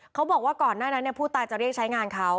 เขาบอกว่าก่อนหน้านั้นผู้ตายจะเรียกใช้งานเขา